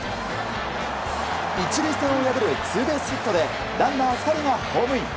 １塁線を破るツーベースヒットでランナー２人がホームイン。